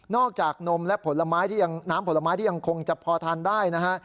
นอกจากน้ำผลไม้ที่ยังคงจะพอทานได้นะฮะ